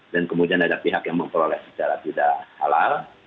dan kemudian ada pihak yang memperoleh secara tidak halal